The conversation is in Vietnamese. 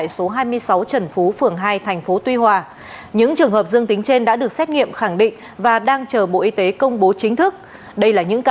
xin chào các bạn